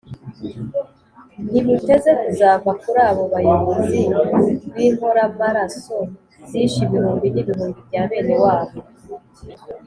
ntibuteze kuzava kuri abo bayobozi b'inkoramaraso zishe ibihumbi n'ibihumbi bya bene wabo.